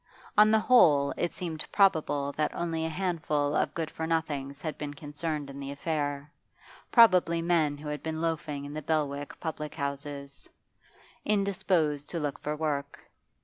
On the whole, it seemed probable that only a handful of good for nothings had been concerned in the affair, probably men who had been loafing in the Belwick public houses, indisposed to look for work.